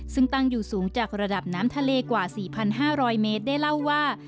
ซึ่งตั้งอยู่สูงจากระดับน้ำทะเลกว่า๔๕๐๐เมตรได้เล่าว่า